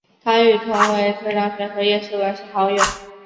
她与同为浙江选手的叶诗文是好友。